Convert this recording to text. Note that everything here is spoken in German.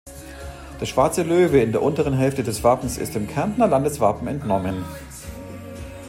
Der schwarze Löwe in der unteren Hälfte des Wappens ist dem Kärntner Landeswappen entnommen.